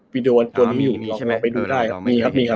วีดีโอตัวนี้